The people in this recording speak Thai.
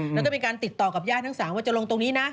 แล้วก็เป็นการติดต่อกับย่าทั้งสามว่าจะลงตรงนี้นะ